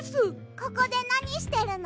ここでなにしてるの？